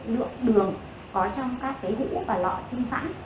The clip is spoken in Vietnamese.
lượng đường có trong các cái hũ và lọ chưng sẵn